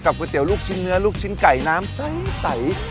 ก๋วเตี๋ยลูกชิ้นเนื้อลูกชิ้นไก่น้ำใส